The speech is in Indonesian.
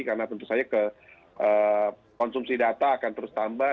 karena tentu saja konsumsi data akan terus tambah